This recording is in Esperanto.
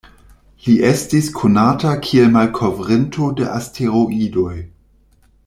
Li estis konata kiel malkovrinto de asteroidoj.